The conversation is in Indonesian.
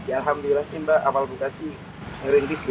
alhamdulillah sih mbak awal buka sih merintis ya